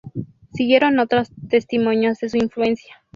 Siguieron otros testimonios de su influencia.